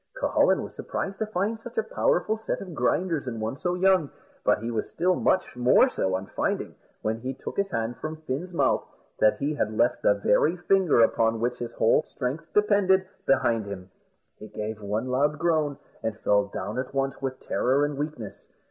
Cucullin was surprised to find such a powerful set of grinders in one so young; but he was still much more so on finding, when he took his hand from Fin's mouth, that he had left the very finger upon which his whole strength depended, behind him. He gave one loud groan, and fell down at once with terror and weakness.